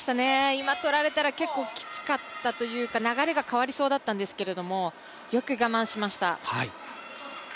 今とられたら結構きつかったというか流れが変わりそうだったんですがよく我慢しました。